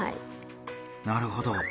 なるほど。